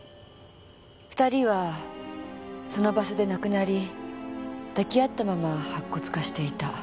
２人はその場所で亡くなり抱き合ったまま白骨化していた。